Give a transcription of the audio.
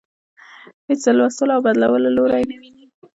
هیڅ د لوستلو او بدلولو لوری نه ويني.